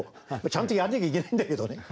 ちゃんとやんなきゃいけないんだけどね。